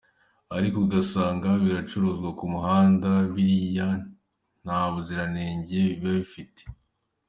ariko ugasanga biracuruzwa ku muhanda, biriya nta buzirange biba bifite.